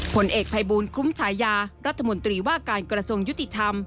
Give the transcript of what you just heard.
ผลเอกภายบูรณ์คุ้มชายารัฐมนตรีว่าการกรสงฆ์ยุติธรรม